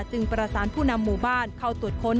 จึงประสานผู้นำหมู่บ้านเข้าตรวจค้น